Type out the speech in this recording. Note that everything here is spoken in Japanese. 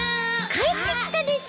帰ってきたです。